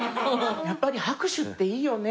やっぱり拍手っていいよね。